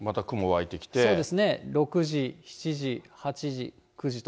そうですね、６時、７時、８時、９時と。